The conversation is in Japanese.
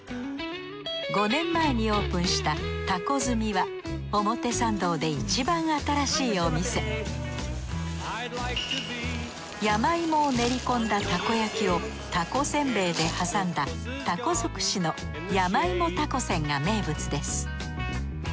５年前にオープンしたたこ住は表参道でいちばん新しいお店山芋を練り込んだたこ焼きをたこせんべいで挟んだたこ尽くしの山芋たこせんが名物です